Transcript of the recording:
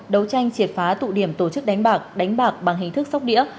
đấu tranh triệt phá tụ điểm tổ chức đánh bạc đánh bạc bằng hình thức sóc đĩa